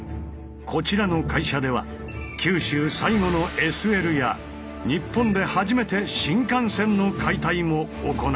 こちらの会社では九州最後のＳＬや日本で初めて新幹線の解体も行った。